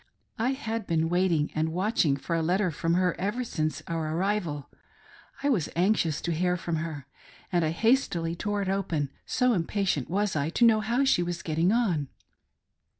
I had been waiting and watch ing for a letter from her ever since our arrival ; I was anxious to hear from her, and I hastily tore it open, so impatient was I to know how she was getting on.